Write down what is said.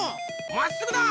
まっすぐだ！